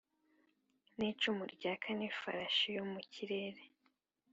n'icumu ryaka n'ifarashi yo mu kirere